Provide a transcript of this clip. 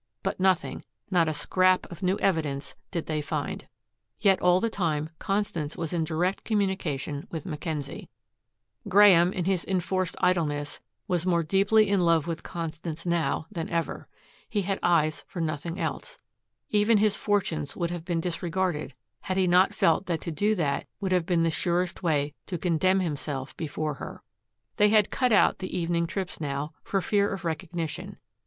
But nothing, not a scrap of new evidence did they find. Yet all the time Constance was in direct communication with Mackenzie. Graeme, in his enforced idleness, was more deeply in love with Constance now than ever. He had eyes for nothing else. Even his fortunes would have been disregarded, had he not felt that to do that would have been the surest way to condemn himself before her. They had cut out the evening trips now, for fear of recognition.